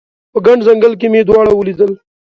په ګڼ ځنګل کې مې دواړه ولیدل